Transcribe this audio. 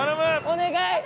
お願い！